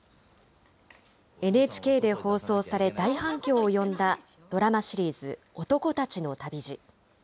ＮＨＫで放送され、大反響を呼んだドラマシリーズ、男たちの旅路。